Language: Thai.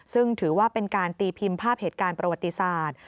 ซึ่งถือว่าเป็นการตีพิมพ์ภาพเหตุการณ์ประวัติศาสตร์